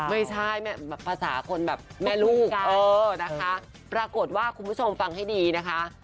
ไม่ใช่ภาษาคนแบบแม่ลูกเออนะคะปรากฏว่าคุณผู้ชมฟังให้ดีนะคะ